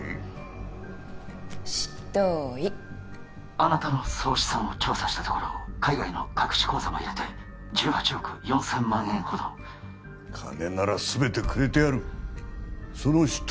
あなたの総資産を調査したところ海外の隠し口座も入れて１８億４０００万円ほど金なら全てくれてやるその執刀